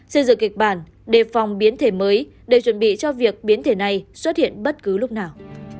xây dựng kịch bản đề phòng biến thể mới để chuẩn bị cho việc biến thể này xuất hiện bất cứ lúc nào